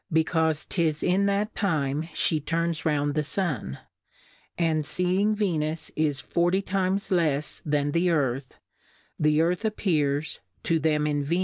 caufe 'tis in that Time fhe turns round the Sun; and feeing Venus is forty ^ times lefs than the Earth, the Earth appears (to them in Ve?